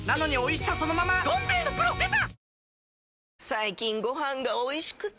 最近ご飯がおいしくて！